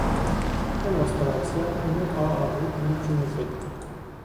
Demonstrația nu a avut niciun efect.